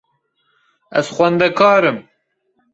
Ez xwendekar im.